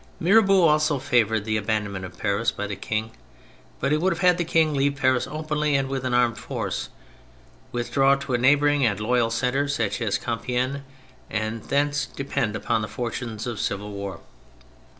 Mirabeau also favoured the abandonment of Paris by the King, but he would have had the King leave Paris openly and with an armed force, with draw to a neighbouring and loyal centre such as Compiegne, and thence depend upon the fortunes of civil war.